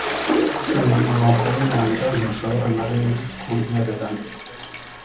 uyu munuko w'inyanja ntushobora na rimwe kuntererana